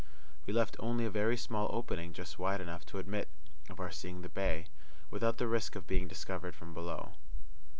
We left only a very small opening just wide enough to admit of our seeing the bay, without the risk of being discovered from below.